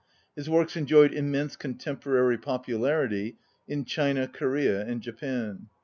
His works enjoyed immense contemporary popularity in China, Korea and Japan.